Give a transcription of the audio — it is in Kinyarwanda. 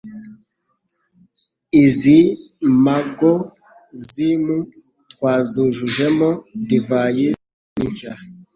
izi mpago z'impu twazujujemo divayi zikiri nshya